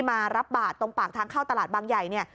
มารับบาทตรงปากทางเข้าตลาดบางใหญ่เนี่ย